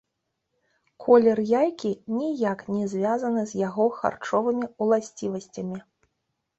Колер яйкі ніяк не звязаны з яго харчовымі ўласцівасцямі.